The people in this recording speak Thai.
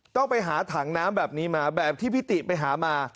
ต้องไปหาถังน้ำแบบนี้มาแบบที่พี่ติไปหามา